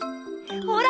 ほら！